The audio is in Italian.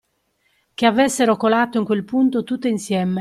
Che avessero colato in quel punto tutte insieme